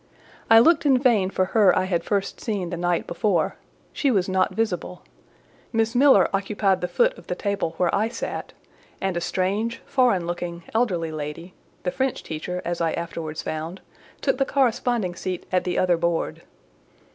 I looked in vain for her I had first seen the night before; she was not visible: Miss Miller occupied the foot of the table where I sat, and a strange, foreign looking, elderly lady, the French teacher, as I afterwards found, took the corresponding seat at the other board.